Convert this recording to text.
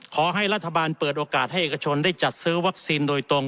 ขอให้รัฐบาลเปิดโอกาสให้เอกชนได้จัดซื้อวัคซีนโดยตรง